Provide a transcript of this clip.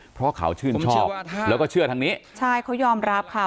เพราะเขาชื่นชอบแล้วก็เชื่อทางนี้ใช่เขายอมรับค่ะ